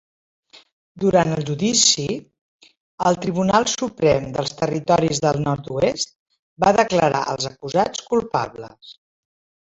Durant el judici, el Tribunal Suprem dels Territoris del Nord-oest va declarar els acusats culpables.